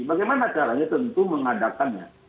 bagaimana caranya tentu mengadakannya